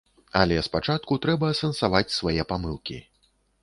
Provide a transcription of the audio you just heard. Але спачатку трэба асэнсаваць свае памылкі.